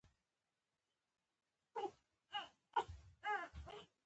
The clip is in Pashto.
نور مريضان نه وو.